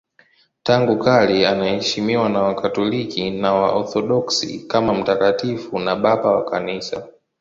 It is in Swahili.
Tangu kale anaheshimiwa na Wakatoliki na Waorthodoksi kama mtakatifu na Baba wa Kanisa.